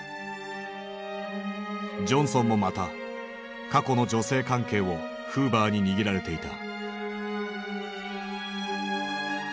ジョンソンもまた過去の女性関係をフーバーに握られていた。